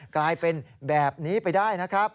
กลายเป็นแบบนี้ไปได้